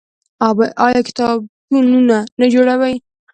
آیا دوی کتابتونونه نه جوړوي؟